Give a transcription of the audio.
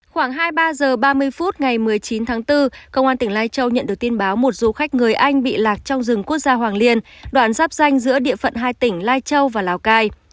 khoảng hai mươi ba h ba mươi phút ngày một mươi chín tháng bốn công an tỉnh lai châu nhận được tin báo một du khách người anh bị lạc trong rừng quốc gia hoàng liên đoạn giáp danh giữa địa phận hai tỉnh lai châu và lào cai